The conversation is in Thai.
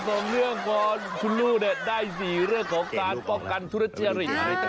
คือเรื่องของชุนู่ได้๔เรื่องของการป้องกันทุจริต